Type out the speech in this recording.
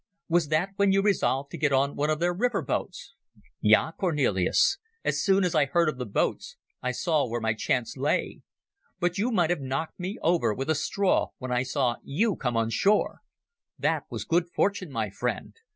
"Was that when you resolved to get on one of the river boats?" "Ja, Cornelis. As soon as I heard of the boats I saw where my chance lay. But you might have knocked me over with a straw when I saw you come on shore. That was good fortune, my friend...